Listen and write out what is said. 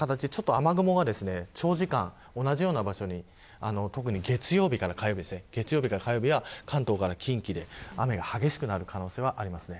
雨雲が長時間、同じような場所に特に月曜日から火曜日は関東から近畿で雨が激しくなる可能性はあります。